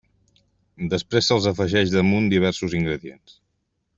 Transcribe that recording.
Després se'ls afegeix damunt diversos ingredients.